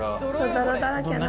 泥だらけに。